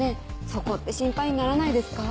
そこって心配にならないですか？